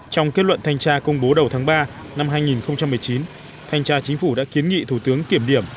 trong kết luận thanh tra công bố đầu tháng ba năm hai nghìn một mươi chín thanh tra chính phủ đã kiến nghị thủ tướng kiểm điểm